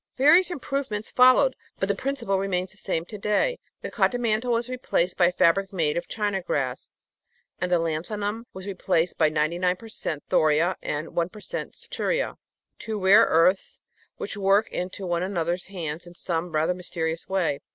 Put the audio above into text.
Various improvements followed, but the principle remains the same to day. The cotton mantle was replaced by a fabric made of china grass, and the lanthanum was replaced by 99 per cent, thoria and 1 per cent, of ceria two rare earths which work into one another's hands in some rather mysterious way.